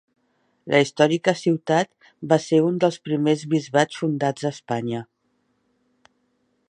La històrica ciutat va ser un dels primers bisbats fundats a Espanya.